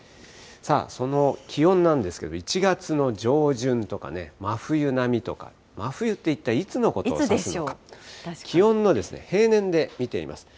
さあ、その気温なんですけど、１月の上旬とかね、真冬並みとか、真冬って一体いつのことを指すのでしょうか。